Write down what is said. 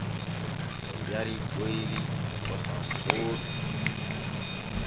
O yarii boyri e kosam booɗɗum.